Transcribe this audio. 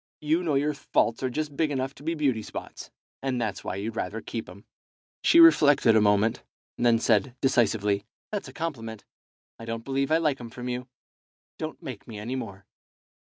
You know your faults are just big enough to be beauty spots, and that's why you'd rather keep 'em." She reflected a moment, and then said, decisively "That's a compliment. I don't believe I like 'em from you. Don't make me any more."